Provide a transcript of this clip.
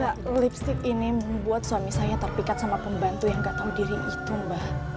ya lipstick ini membuat suami saya terpikat sama pembantu yang gak tahu diri itu mbak